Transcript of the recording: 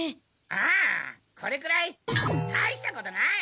ああこれくらいたいしたことない。